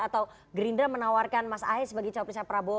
atau gerindra menawarkan mas ae sebagai cowok perusahaan prabowo